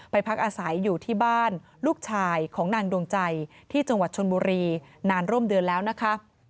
พักอาศัยอยู่ที่บ้านลูกชายของนางดวงใจที่จังหวัดชนบุรีนานร่วมเดือนแล้วนะคะ